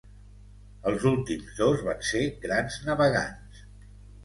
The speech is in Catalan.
Els últims dos van ser grans navegants.